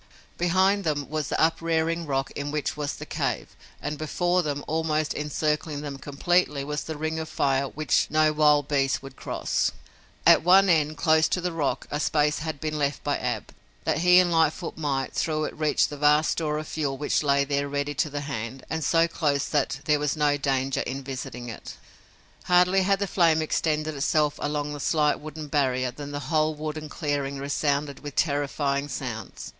Behind them was the uprearing rock in which was the cave and before them, almost encircling them completely, was the ring of fire which no wild beast would cross. At one end, close to the rock, a space had been left by Ab, that he and Lightfoot might, through it, reach the vast store of fuel which lay there ready to the hand and so close that there was no danger in visiting it. Hardly had the flame extended itself along the slight wooden barrier than the whole wood and clearing resounded with terrifying sounds.